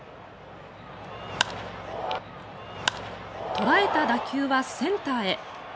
捉えた打球はセンターへ。